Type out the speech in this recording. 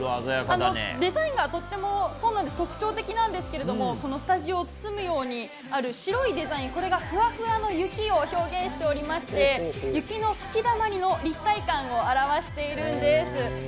デザインがとっても特徴的なんですがこのスタジオを包むようにある白いデザインこれが、ふわふわの雪を表現しておりまして雪の吹きだまりの立体感を表しているんです。